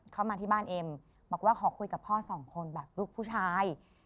เข้ามาที่บ้านเอ็มบอกว่าขอคุยกับพ่อสองคนแบบลูกผู้ชาย